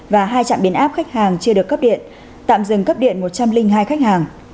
và hai trạm biến áp khách hàng chưa được cấp điện tạm dừng cấp điện một trăm linh hai khách hàng